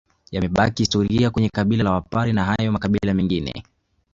Yamebaki historia kwenye kabila la wapare na hayo makabila mengine